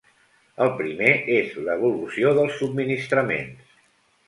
El primer és l’evolució dels subministraments.